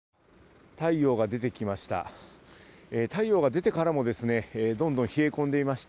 太陽が出てきました。